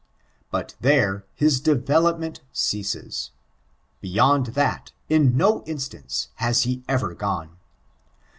Bat there his derelopment ceases. Beyond that, in no instance, has he ever gone.